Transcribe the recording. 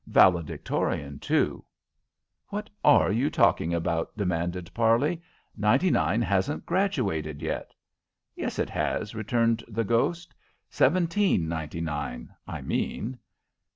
Valedictorian, too." "What are you talking about?" demanded Parley. "Ninety nine hasn't graduated yet!" "Yes, it has," returned the ghost. "Seventeen ninety nine, I mean."